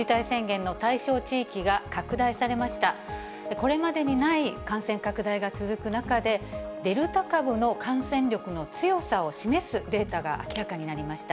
これまでにない感染拡大が続く中で、デルタ株の感染力の強さを示すデータが明らかになりました。